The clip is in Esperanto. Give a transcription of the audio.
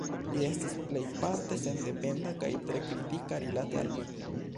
Li estis plejparte sendependa kaj tre kritika rilate al li.